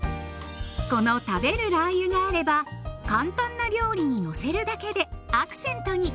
この食べるラー油があれば簡単な料理にのせるだけでアクセントに。